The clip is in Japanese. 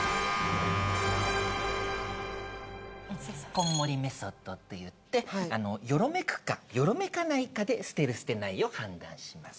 こんもりメソッドって言ってよろめくかよろめかないかで捨てる捨てないを判断します。